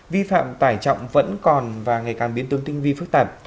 vi phạm tải trọng vẫn còn và ngày càng biến tương tinh vi phức tạp